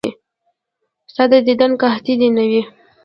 ستا د دیدن قحطي دې نه وي.